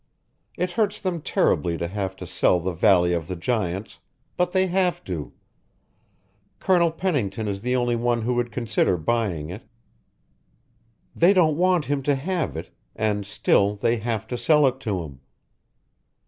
It hurts them terribly to have to sell the Valley of the Giants, but they have to; Colonel Pennington is the only one who would consider buying it; they don't want him to have it and still they have to sell to him."